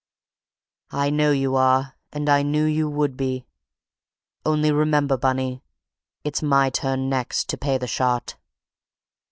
"I know you are, and I knew you would be. Only remember, Bunny, it's my turn next to pay the shot!"